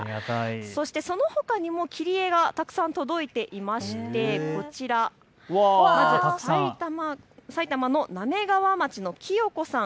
そしてそのほかにも切り絵がたくさん届いていまして、こちら、まずさいたまの滑川町のきよこさん。